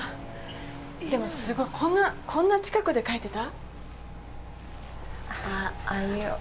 でも、すごいこんな近くで描いてた？